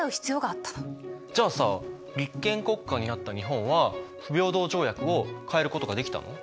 じゃあさ立憲国家になった日本は不平等条約を変えることができたの？